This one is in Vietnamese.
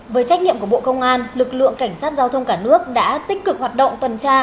với trách nhiệm của bộ công an lực lượng cảnh sát giao thông cả nước đã tích cực hoạt động tuần tra